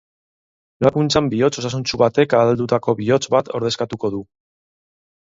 Ebakuntzan bihotz osasuntsu batek ahuldutako bihotz bat ordezkatuko du.